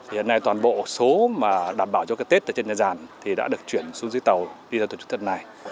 hiện nay toàn bộ số mà đảm bảo cho cái tết ở trên nhà giàn thì đã được chuyển xuống dưới tàu đi ra tổ chức tết này